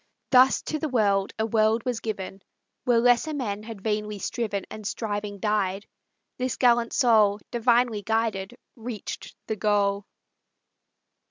Thus to the world a world was given. Where lesser men had vainly striven, And striving died, this gallant soul, Divinely guided, reached the goal.